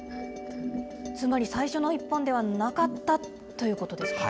つまり最初の１本ではなかったということですか。